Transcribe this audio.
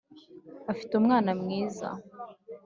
Afite umwana mwiza